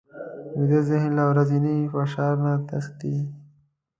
ویده ذهن له ورځني فشار نه تښتي